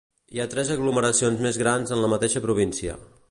Hi ha tres aglomeracions més grans en la mateixa província.